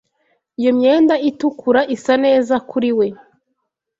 Iyo myenda itukura isa neza kuri we.